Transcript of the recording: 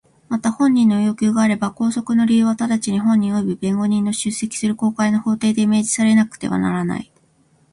また本人の要求があれば拘束の理由は直ちに本人および弁護人の出席する公開の法廷で明示されなくてはならない。